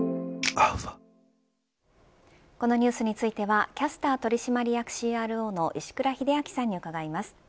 このニュースについてはキャスター取締役ＣＲＯの石倉秀明さんに伺います。